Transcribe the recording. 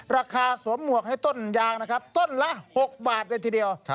ราคาสวนหมวกให้ต้นยางต้นละ๖บาทในทีเดียว